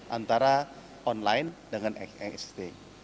antara online dengan egst